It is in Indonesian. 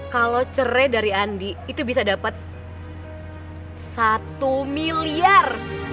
kalau cerai dari andi itu bisa dapat satu miliar